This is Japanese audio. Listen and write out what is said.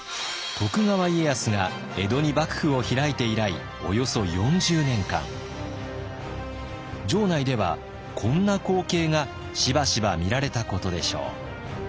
徳川家康が江戸に幕府を開いて以来およそ４０年間城内ではこんな光景がしばしば見られたことでしょう。